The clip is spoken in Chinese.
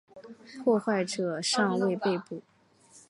破坏者尚未被捕。